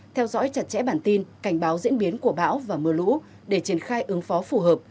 theo dõi chặt chẽ bản tin cảnh báo diễn biến của bão và mưa lũ để triển khai ứng phó phù hợp